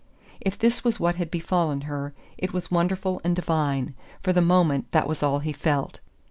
If this was what had befallen her it was wonderful and divine: for the moment that was all he felt.